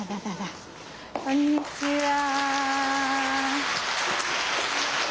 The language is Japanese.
こんにちは。